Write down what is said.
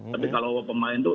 tapi kalau pemain itu